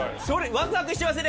ワクワクしてますね